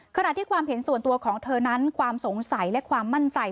ขณะที่ความเห็นส่วนตัวของเธอนั้นความสงสัยและความมั่นใจ